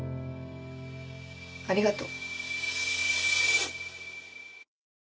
ありがとう。